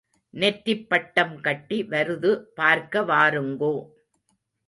நெற்றிப் பட்டம் கட்டி வருது பார்க்க வாருங்கோ.